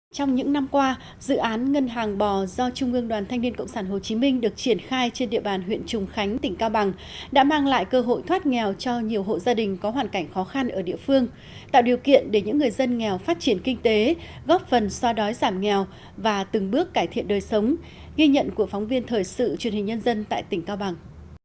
trong những năm qua dự án ngân hàng bò do trung ương đoàn thanh niên cộng sản hồ chí minh được triển khai trên địa bàn huyện trùng khánh tỉnh cao bằng đã mang lại cơ hội thoát nghèo cho nhiều hộ gia đình có hoàn cảnh khó khăn ở địa phương tạo điều kiện để những người dân nghèo phát triển kinh tế góp phần so đói giảm nghèo và từng bước cải thiện đời sống ghi nhận của phóng viên thời sự truyền hình nhân dân tại tỉnh cao bằng